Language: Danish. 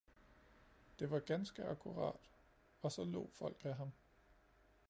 Det var ganske akkurat, og så lo folk af ham